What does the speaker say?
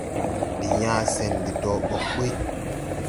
Ndi yãã sɛn de dɔɔ ɓɔg ɓuy.